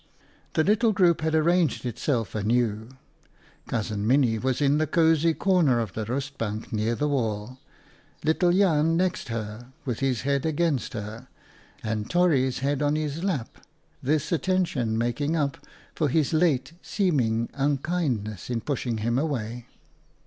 The little group had arranged itself anew. Cousin Minnie was in the cosy corner of the 8 OUTA KARELS STORIES rustbank near the wall, little Jan next her with his head against her, and Torry's head on his lap — this attention to make up for his late seeming unkindness in pushing him away.